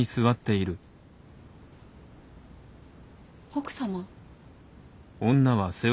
奥様？